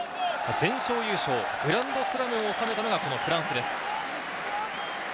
全勝優勝、グランドスラムを収めたのがフランスです。